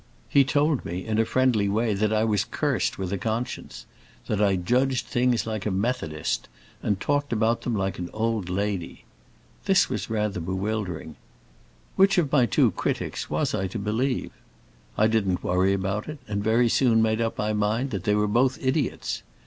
He told me, in a friendly way, that I was cursed with a conscience; that I judged things like a Methodist and talked about them like an old lady. This was rather bewildering. Which of my two critics was I to believe? I didn't worry about it and very soon made up my mind they were both idiots.